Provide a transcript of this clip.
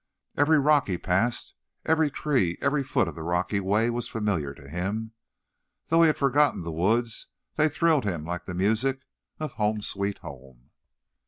Every rock he passed, every tree, every foot of the rocky way, was familiar to him. Though he had forgotten the woods, they thrilled him like the music of "Home, Sweet Home."